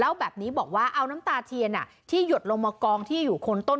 แบบนี้บอกว่าเอาน้ำตาเทียนที่หยดลงมากองที่อยู่คนต้น